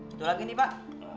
itu lagi nih pak